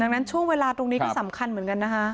ดังนั้นช่วงเวลาตรงนี้ก็สำคัญเหมือนกันนะคะ